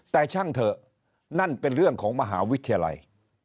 แต่ช่างเถอะนั่นเป็นเรื่องของมหาวิทยาลัย